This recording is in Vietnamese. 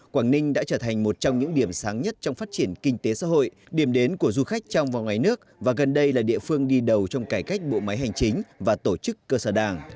quảng ninh đã trở thành một trong những điểm sáng nhất trong phát triển kinh tế xã hội điểm đến của du khách trong và ngoài nước và gần đây là địa phương đi đầu trong cải cách bộ máy hành chính và tổ chức cơ sở đảng